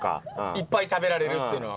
いっぱい食べられるっていうのは。